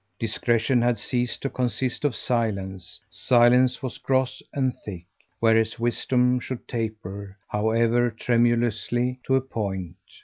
Discretion had ceased to consist of silence; silence was gross and thick, whereas wisdom should taper, however tremulously, to a point.